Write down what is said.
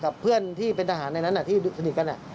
กับเพื่อนที่เป็นทหารในนั้นที่สนิทกัน